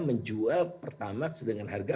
menjual pertamax dengan harga